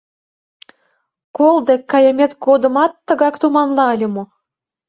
— Кол дек кайымет годымат тыгак туманла ыле мо?